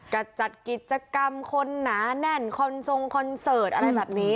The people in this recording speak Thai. ก็จัดกิจกรรมคนหนาแน่นคอนทรงคอนเสิร์ตอะไรแบบนี้